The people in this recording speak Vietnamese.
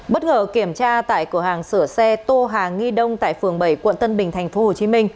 bất ngờ kiểm tra tại cửa hàng sửa xe tô hà nghi đông tại phường bảy quận tân bình tp hcm